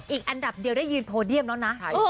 อีกอันดับเดียวได้ยืนโพเดียมแล้วนะ